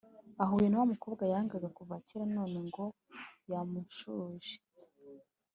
Ahuye nawamukobwa yangaga kuva kera none ngo yamushuje